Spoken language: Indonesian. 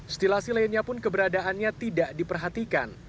stilasi lainnya pun keberadaannya tidak diperhatikan